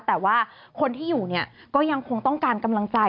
แต่ว่าคนที่อยู่เนี่ยก็ยังคงต้องการกำลังใจ